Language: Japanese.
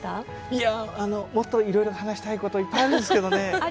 いやあのもっといろいろ話したいこといっぱいあるんですけどね。